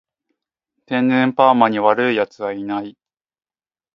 天然パーマに悪い奴はいない